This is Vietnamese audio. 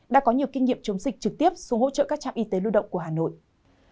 đã có nhiều kinh nghiệm chống dịch trực tiếp xuống hỗ trợ các trạm y tế lưu động của hà nội